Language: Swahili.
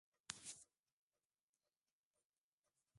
mama mwenye virusi vya homa ya ini anaweza kumuambikiza mtoto kwa urahisi